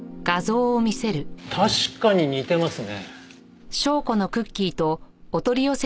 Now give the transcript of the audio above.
確かに似てますね。